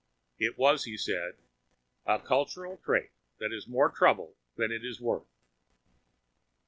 It was, he said, "a cultural trait that is more trouble than it is worth."